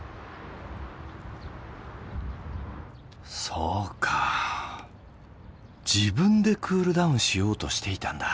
そうか自分でクールダウンしようとしていたんだ。